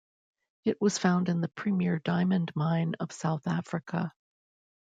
It was found in the Premier Diamond Mine of South Africa.